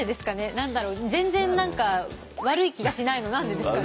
何だろう全然何か悪い気がしないの何でですかね？